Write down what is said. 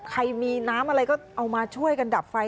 ใครมีน้ำอะไรก็เอามาช่วยกันดับไฟ